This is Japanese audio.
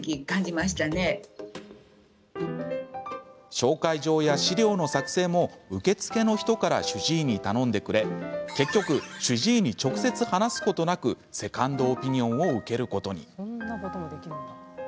紹介状や資料の作成も受付の人から主治医に頼んでくれ結局、主治医に直接話すことなくセカンドオピニオンを受けることに。